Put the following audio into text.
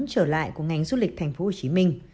trở lại của ngành du lịch tp hcm